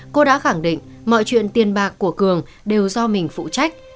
cô đã khẳng định mọi chuyện tiền bạc của cường đều do mình phụ trách